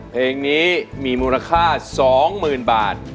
เพลงนี้มีมูลค่า๒๐๐๐บาท